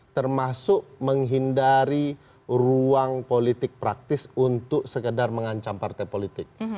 termasuk menghindari ruang politik praktis untuk sekedar mengancam partai politik